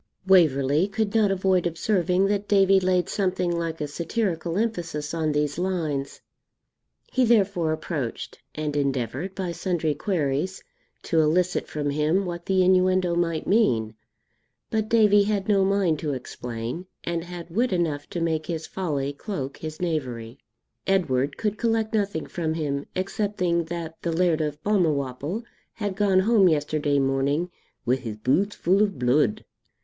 Waverley could not avoid observing that Davie laid something like a satirical emphasis on these lines. He therefore approached, and endeavoured, by sundry queries, to elicit from him what the innuendo might mean; but Davie had no mind to explain, and had wit enough to make his folly cloak his knavery. Edward could collect nothing from him, excepting that the Laird of Balmawhapple had gone home yesterday morning 'wi' his boots fu' o' bluid.'